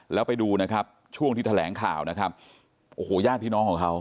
แล้วไปดูนะครับช่วงที่แถลงข่าวนะครับโอ้โหญาติพี่น้องของเขา